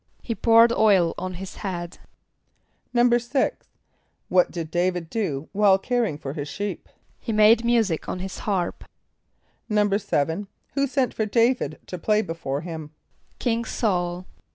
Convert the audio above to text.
=He poured oil on his head.= =6.= What did D[=a]´vid do while caring for his sheep? =He made music on his harp.= =7.= Who sent for D[=a]´vid to play before him? =King S[a:]ul.